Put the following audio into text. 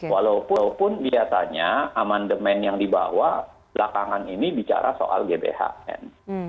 walaupun biasanya amandemen yang dibawa belakangan ini bicara soal gbhn